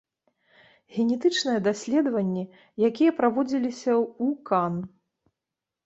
Генетычныя даследаванні, якія праводзіліся ў кан.